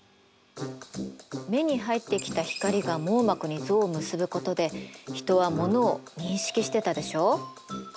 目に入ってきた光が網膜に像を結ぶことで人はモノを認識してたでしょう？